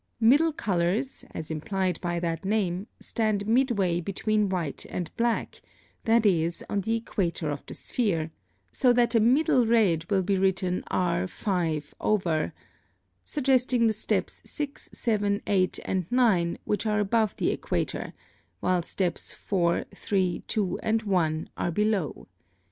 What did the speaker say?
Middle colors, as implied by that name, stand midway between white and black, that is, on the equator of the sphere, so that a middle red will be written R 5/, suggesting the steps 6, 7, 8, and 9 which are above the equator, while steps 4, 3, 2, and 1 are below.